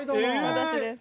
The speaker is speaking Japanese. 私です。